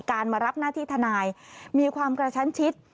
มารับหน้าที่ทนายมีความกระชั้นชิด